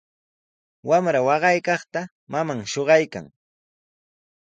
Wamra waqaykaqta maman shuqaykan.